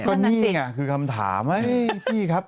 ก็นี่ไงคือคำถามเฮ้ยพี่ครับ